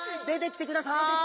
出てきてください！